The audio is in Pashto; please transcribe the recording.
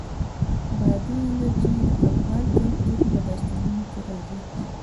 بادي انرژي د افغان کلتور په داستانونو کې راځي.